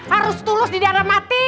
harus tulus di dalam hati